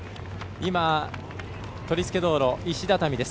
取り付け道路、石畳です。